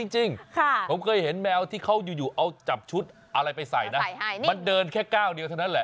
จริงผมเคยเห็นแมวที่เขาอยู่เอาจับชุดอะไรไปใส่นะมันเดินแค่ก้าวเดียวเท่านั้นแหละ